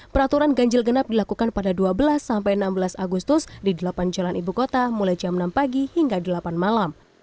peraturan ganjil genap dilakukan pada dua belas sampai enam belas agustus di delapan jalan ibu kota mulai jam enam pagi hingga delapan malam